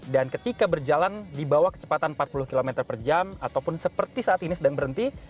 dan ketika berjalan di bawah kecepatan empat puluh km per jam ataupun seperti saat ini sedang berhenti